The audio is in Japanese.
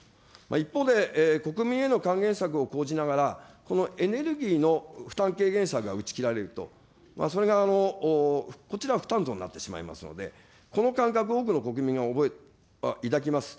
一方で、国民への還元策を講じながら、このエネルギーの負担軽減策が打ち切られると、それがこちらは負担増になってしまいますので、この感覚を多くの国民が思い抱きます。